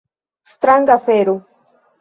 Stranga afero.